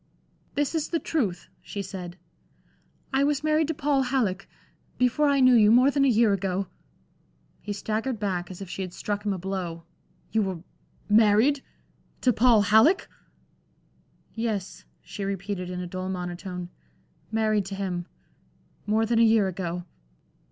"This is the truth," she said. "I was married to Paul Halleck before I knew you, more than a year ago." He staggered back, as if she had struck him a blow. "You were married to Paul Halleck?" "Yes," she repeated, in a dull monotone, "married to him more than a year ago."